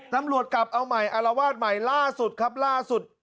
ตำรวจกลับเอาใหม่อารวาสใหม่ล่าสุดครับล่าสุด